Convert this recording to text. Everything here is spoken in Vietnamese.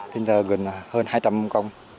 thế giờ gần là hơn hai trăm linh con